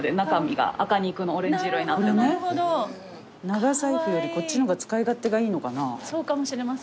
長財布よりこっちの方が使い勝手がいいのかな？